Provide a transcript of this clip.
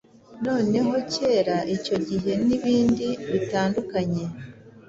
noneho Kera icyo gihe nibindi bitandukanye